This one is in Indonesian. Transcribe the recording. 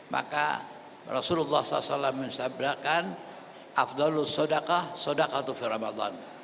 maka rasulullah saw menyatakan